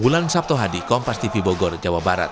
wulan sabtu hadi kompas tv bogor jawa barat